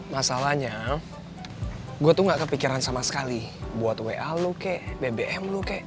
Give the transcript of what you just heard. masalahnya gue tuh gak kepikiran sama sekali buat wa lo kek bbm lo kek